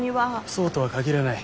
そうとは限らない。